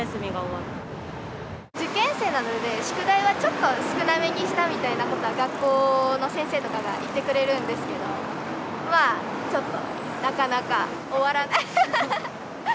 受験生なので、宿題はちょっと少なめにしたみたいなことは学校の先生とかが言ってくれるんですけれども、まあ、ちょっと、なかなか終わらない。